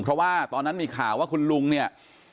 เพราะว่าตอนนั้นมีข่าวว่าคุณลุงเนี่ย